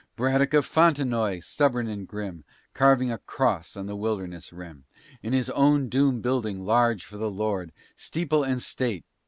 "Braddock of Fontenoy, stubborn and grim, Carving a cross on the wilderness rim; In his own doom building large for the Lord, Steeple and State!"